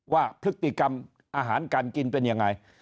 ว่าพฤติกรรมอาหารการกินเป็นยังไง